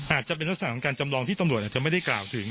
อาจจะเป็นลักษณะของการจำลองที่ตำรวจอาจจะไม่ได้กล่าวถึง